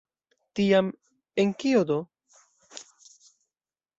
Tiam en kio do?